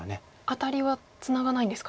アタリはツナがないんですか。